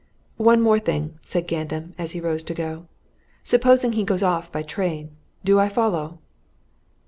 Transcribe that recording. "One thing more," said Gandam, as he rose to go. "Supposing he goes off by train? Do I follow?"